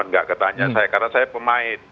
nggak ketanya saya karena saya pemain